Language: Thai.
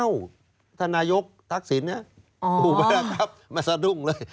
อ้าวท่านนายกทักษิณฯอู๋ไปแล้วครับมาสะดุ้งเลย